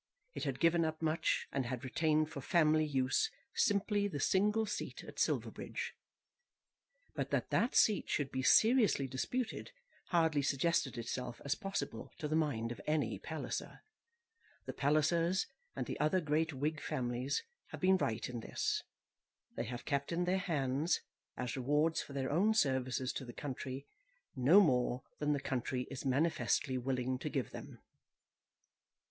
It had given up much, and had retained for family use simply the single seat at Silverbridge. But that that seat should be seriously disputed hardly suggested itself as possible to the mind of any Palliser. The Pallisers and the other great Whig families have been right in this. They have kept in their hands, as rewards for their own services to the country, no more than the country is manifestly willing to give them.